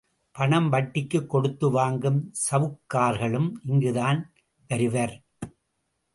பணம் வட்டிக்குக் கொடுத்து வாங்கும் சவுக்கார்களும் இங்குத்தான் வருவர்.